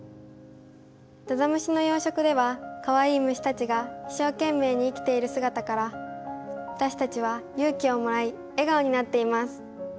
ざざむしの養殖ではかわいい虫たちが一生懸命に生きている姿から私たちは勇気をもらい笑顔になっています。